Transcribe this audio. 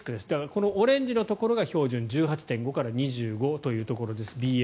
このオレンジのところが標準１８．５から２５というところです。